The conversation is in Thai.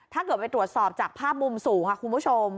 ถ้าเกิดไปตรวจสอบจากภาพมุมสูงค่ะคุณผู้ชม